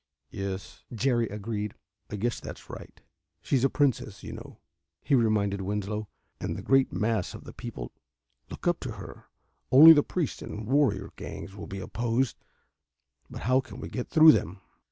"Yes," Jerry agreed. "I guess that's right. She's a princess, you know," he reminded Winslow, "and the great mass of the people look up to her. Only the priests and warrior gangs will be opposed. But how can we get through them?"